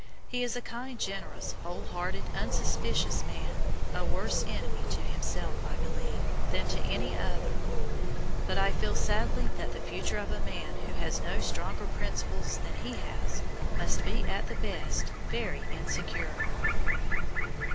He is a kind, generous, whole hearted, unsuspicious man, a worse enemy to himself, I believe, than to any other; but I feel sadly that the future of a man who has not stronger principles than he has must be at the best very insecure.